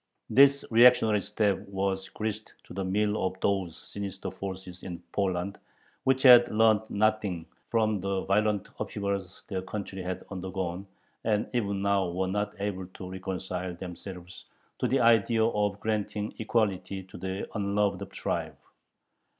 This reactionary step was grist to the mill of those sinister forces in Poland which had learned nothing from the violent upheavals their country had undergone, and even now were not able to reconcile themselves to the idea of granting equality to the unloved tribe.